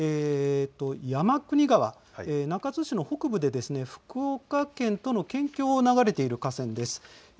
山国川中津市の北部で福岡県との県境を流れている河川です。